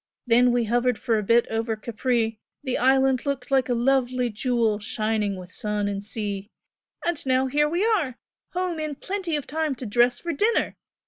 Then we hovered for a bit over Capri, the island looked like a lovely jewel shining with sun and sea, and now here we are! home in plenty of time to dress for dinner!